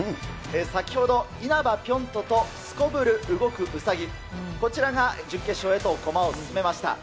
先ほど、因幡ぴょん兎とすこぶる動くウサギ、こちらが準決勝へと駒を進めました。